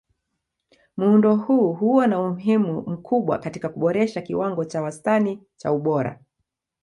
Muundo huu huwa na umuhimu mkubwa katika kuboresha kiwango cha wastani cha ubora.